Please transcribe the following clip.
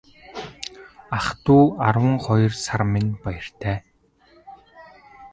Ах дүү арван хоёр сар минь баяртай.